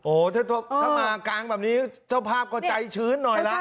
โอ้โหถ้ามากลางแบบนี้เจ้าภาพก็ใจชื้นหน่อยละ